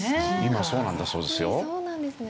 今そうなんだそうですよ。